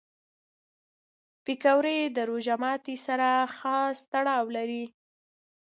پکورې د روژه ماتي سره خاص تړاو لري